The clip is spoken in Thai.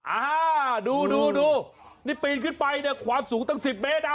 อ่าดูดูดูนี่ปีนขึ้นไปเนี่ยความสูงตั้งสิบเมตรอ่ะ